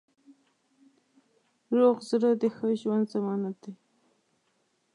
روغ زړه د ښه ژوند ضمانت دی.